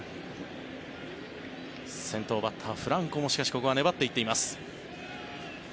先頭バッター、フランコもしかしここは粘っていっています。